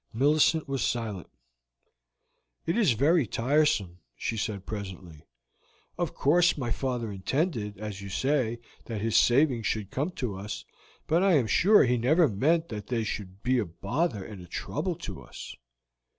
Millicent was silent. "It is very tiresome," she said presently. "Of course my father intended, as you say, that his savings should come to us, but I am sure he never meant that they should be a bother and a trouble to us."